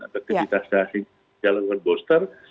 atau ketika stasiun jalan buat poster